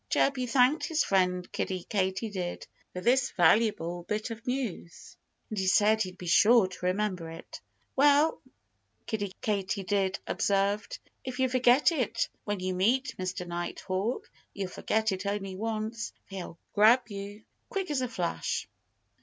Chirpy thanked his friend Kiddie Katydid for this valuable bit of news. And he said he'd be sure to remember it. "Well," Kiddie Katydid observed, "if you forget it when you meet Mr. Nighthawk you'll forget it only once. For he'll grab you quick as a flash."